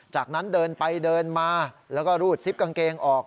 จากนั้นเดินไปเดินมาแล้วก็รูดซิปกางเกงออก